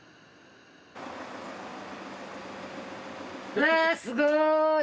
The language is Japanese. うわすごい！